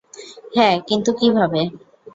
হ্যাঁ, কিন্তু কীভাবে?